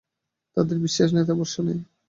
তাঁদের বিশ্বাস নেই, তাই ভরসা নেই।